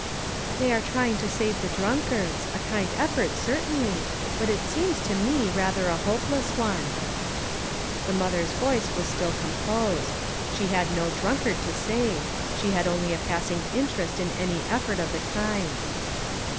"They are trying to save the drunkards. A kind effort, certainly, but it seems to me rather a hopeless one." The mother's voice was still composed. She had no drunkard tft save ; she had only a passing interest in any effort of the kind.